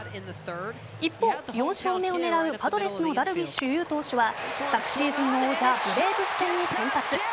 一方、４勝目を狙うパドレスのダルビッシュ有投手は昨シーズンの王者ブレーブス戦に先発。